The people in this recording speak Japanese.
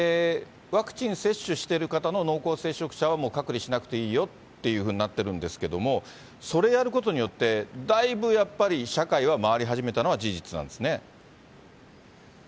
ワクチン接種してる方の濃厚接触者は隔離しなくていいよっていうふうになってるんですけれども、それやることによって、だいぶやっぱり、社会は回り始めたのは事実なんですね？